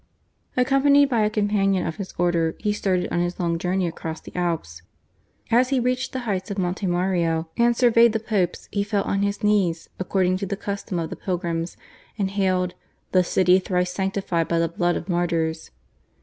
Accompanied by a companion of his order he started on his long journey across the Alps. As he reached the heights of Monte Mario and surveyed the Popes he fell on his knees, according to the custom of the pilgrims, and hailed "the city thrice sanctified by the blood of martyrs."